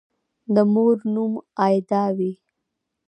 د مور نوم «آیدا» وي